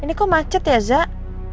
ini kok macet ya zak